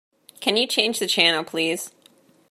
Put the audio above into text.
Can you change the channel, please?